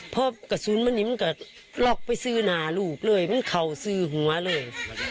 พอกระสุนมันหนีมันก็ล็อกไปซื้อหน้าลูกเลยมันเข่าซื้อหัวเลย